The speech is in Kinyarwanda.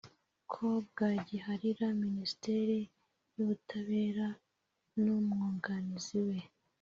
ko bwagiharira Ministeri y’ubutabera n’umwunganizi we